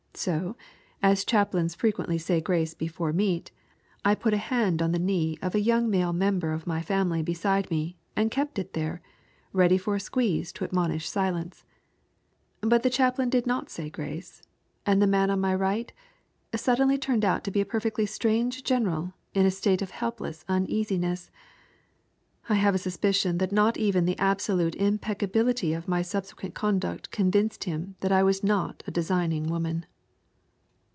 So, as chaplains frequently say grace before meat, I put a hand on the knee of a young male member of my family beside me and kept it there, ready for a squeeze to admonish silence. But the chaplain did not say grace, and the man on my right suddenly turned out to be a perfectly strange general in a state of helpless uneasiness. I have a suspicion that not even the absolute impeccability of my subsequent conduct convinced him that I was not a designing woman.